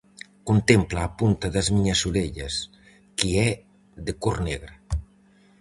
Contempla a punta das miñas orellas, que é de cor negra.